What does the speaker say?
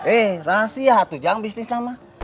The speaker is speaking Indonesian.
eh rahasia jangan bisnis lama